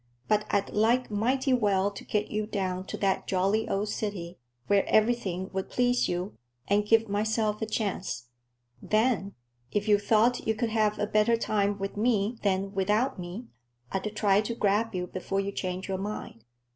But I'd like mighty well to get you down to that jolly old city, where everything would please you, and give myself a chance. Then, if you thought you could have a better time with me than without me, I'd try to grab you before you changed your mind.